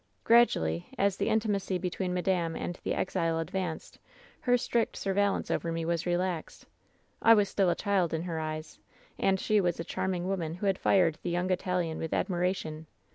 "Gradually, as the intimacy between madame and the exile advanced, her strict surveillance over me was re laxed. I was still a child in her eyes, and she was a charming woman who had fired the young Italian with admiration.